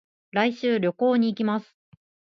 来週、旅行に行きます。